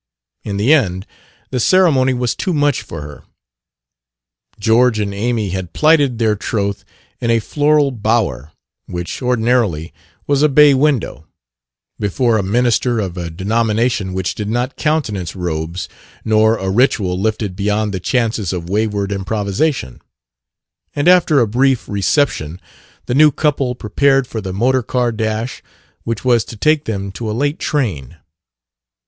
In the end, the ceremony was too much for her. George and Amy had plighted their troth in a floral bower, which ordinarily was a bay window, before a minister of a denomination which did not countenance robes nor a ritual lifted beyond the chances of wayward improvisation; and after a brief reception the new couple prepared for the motor car dash which was to take them to a late train.